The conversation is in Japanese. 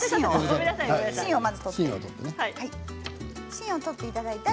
芯を取っていただいて。